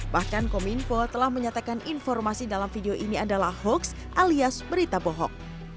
bahkan kominfo telah menyatakan informasi dalam video ini adalah hoax alias berita bohong